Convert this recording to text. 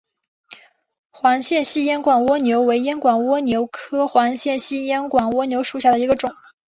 环线细烟管蜗牛为烟管蜗牛科环线细烟管蜗牛属下的一个种。